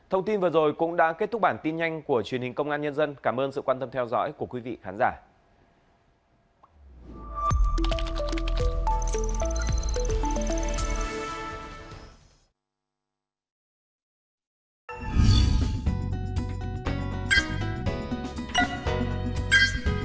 hãy đăng ký kênh để ủng hộ kênh của mình nhé